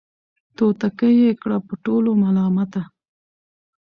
توتکۍ یې کړه په ټولو ملامته